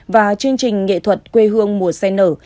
và chương trình nghệ thuật quê hương mùa sen nở